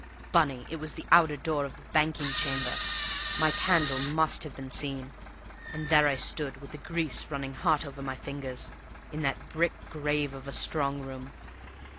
"Bunny, it was the outer door of the banking chamber! My candle must have been seen! And there I stood, with the grease running hot over my fingers, in that brick grave of a strong room!